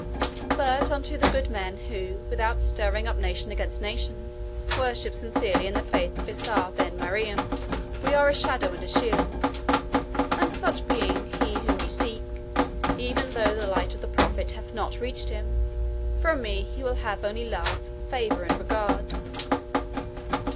But unto the good men who, without stirring up nation against nation, worship sincerely in the faith of Issa Ben Mariam, we are a shadow and a shield; and such being he whom you seek, even though the light of the Prophet hath not reached him, from me he will only have love, favour, and regard."